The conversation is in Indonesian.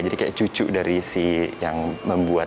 jadi kayak cucu dari si yang membuat